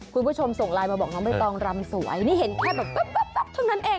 คุณผู้ชมส่งไลน์มาบอกไม่ต้องรำสวยนี่เห็นแค่แบบปุ๊บทั้งนั้นเองนะ